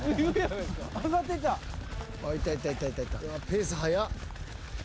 ペース速っ。